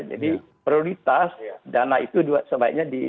jadi kerem prerioritas dana itu dua sebaiknya digunakan